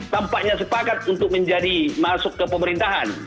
tampaknya sepakat untuk menjadi masuk ke pemerintahan